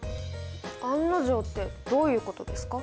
案の定ってどういうことですか？